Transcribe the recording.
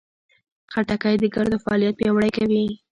خټکی د ګردو فعالیت پیاوړی کوي.